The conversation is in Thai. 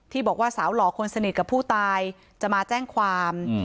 บอกว่าสาวหล่อคนสนิทกับผู้ตายจะมาแจ้งความ